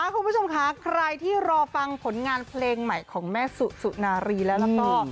คุณผู้ชมค่ะใครที่รอฟังผลงานเพลงใหม่ของแม่สุสุนารีแล้วแล้วก็